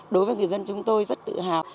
đối với người dân chúng tôi rất tự hào